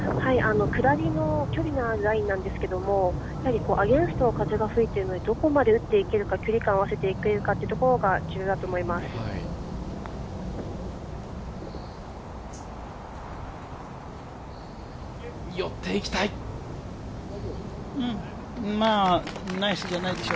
下りの距離のあるラインなんですけどアゲンストの風が吹いているので、どこまで打っていけるのか距離感を合わせていくことが重要だと思います。